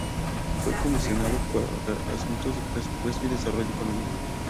Fue comisionado para asuntos de presupuesto y desarrollo económico.